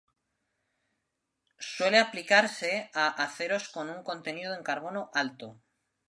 Suele aplicarse a aceros con un contenido en carbono alto.